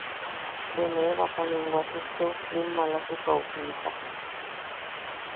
Bwe ne batanim wasukteo, nim maalatukaʼu siika.